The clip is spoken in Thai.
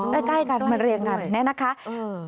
อ๋อไม่ใช่เลยเหมือนกันนะแน่นาค่ะใกล้กัน